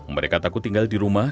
mereka takut tinggal di rumah